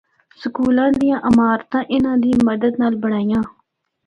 سکولاں دیاں عمارتاں اِناں دی مدد نال بنڑائیاں۔